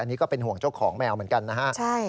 อันนี้ก็เป็นห่วงเจ้าของแมวเหมือนกันนะฮะ